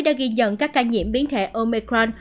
đã ghi nhận các ca nhiễm biến thể omicron